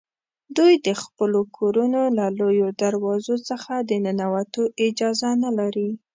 دوی د خپلو کورونو له لویو دروازو څخه د ننوتو اجازه نه لري.